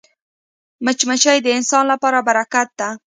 مچمچۍ د انسان لپاره برکت ده